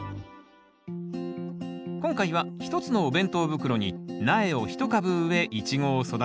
今回は一つのお弁当袋に苗を一株植えイチゴを育てます。